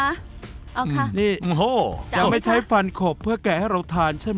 เอาค่ะจับไหมคะจะไม่ใช้ฟันขบเพื่อแกะให้เราทานใช่ไหม